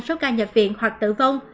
số ca nhập viện hoặc tử vong